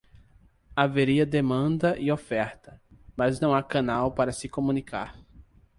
Haveria demanda e oferta, mas não há canal para se comunicar.